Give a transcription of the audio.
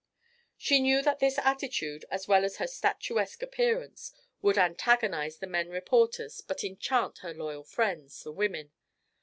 She knew that this attitude, as well as her statuesque appearance, would antagonise the men reporters but enchant her loyal friends, the women.